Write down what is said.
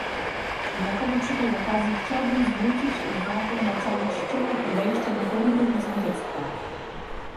Dlatego przy tej okazji chciałbym zwrócić uwagę na całościowe podejście do polityki sąsiedztwa